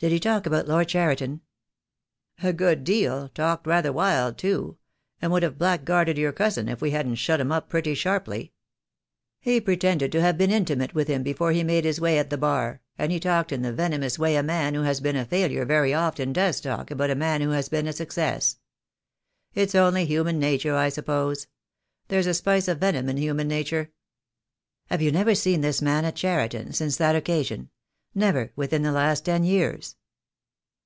"Did he talk about Lord Cheriton?" THE DAY WILL COME. I 75 "A good deal — talked rather wild, too — and would have blackguarded your cousin if we hadn't shut him up pretty sharply. He pretended to have been intimate with him before he made his way at the Bar, and he talked in the venomous way a man who has been a failure very often does talk about a man who has been a success. It's only human nature, I suppose. There's a spice of venom in human nature." "Have you never seen this man at Cheriton since that occasion — never within the last ten years?"